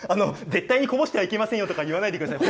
絶対にこぼしてはいけませんよとか言わないでください。